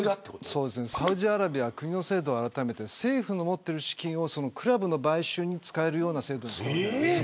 サウジアラビアは国の制度をあらためて政府の持ってる資金をクラブの買収に使えるような制度にした。